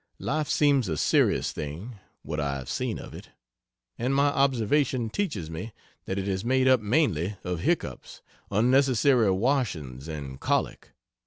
Life seems a serious thing, what I have seen of it and my observation teaches me that it is made up mainly of hiccups, unnecessary washings, and colic.